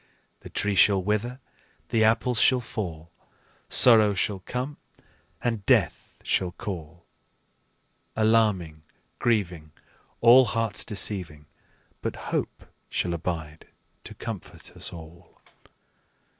The tree shall wither, the apples shall fall, Sorrow shall come, and death shall call, Alarming, grieving, All hearts deceiving, But hope shall abide to comfort us all.